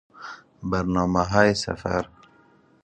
برنامههای سفر